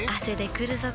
くるぞ？